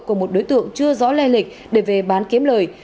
của một đối tượng chưa rõ le lịch để về bán kiếm lời